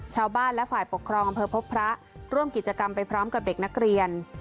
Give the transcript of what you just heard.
ชาวบ้านและฝ่ายปกครองอำเภอพบพระร่วมกิจกรรมไปพร้อมกับเด็กนักเรียน